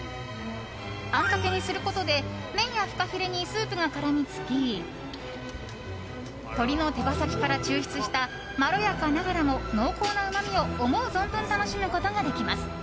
あんかけにすることで麺やフカヒレにスープが絡みつき鶏の手羽先から抽出したまろやかながらも濃厚なうまみを思う存分楽しむことができます。